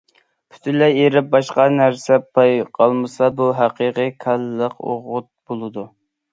پۈتۈنلەي ئېرىپ، باشقا نەرسە بايقالمىسا، بۇ ھەقىقىي كالىيلىق ئوغۇت بولىدۇ.